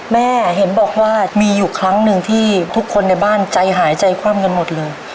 แม่เห็นบอกว่ามีอยู่ครั้งหนึ่งที่ทุกคนในบ้านใจหายใจคว่ำกันหมดเลย